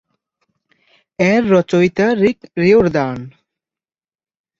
এর রচয়িতা রিক রিওরদান।